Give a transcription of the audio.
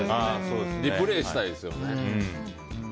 リプレーしたいですよね。